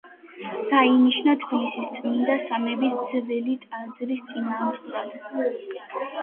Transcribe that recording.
დაინიშნა თბილისის წმიდა სამების ძველი ტაძრის წინამძღვრად.